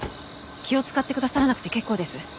気を使ってくださらなくて結構です。